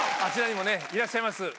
あちらにもねいらっしゃいます。